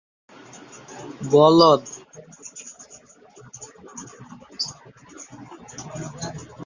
কিছু ভোটারদের নির্বাচনের আগে একটি নমুনা ব্যালট ডাউনলোড করতে পারবেন।